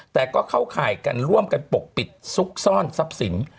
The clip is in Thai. แต่ก็เข้าข่ายกันร่วมกันปกปิดซุกซ่อนทรัพย์สิน